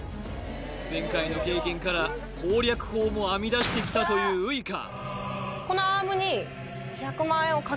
前回の経験から攻略法も編み出してきたというウイカ